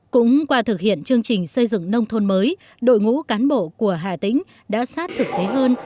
cũng qua thực hiện chương trình xây dựng nông thôn mới đội ngũ cán bộ của hà tĩnh đã sát thực tế hơn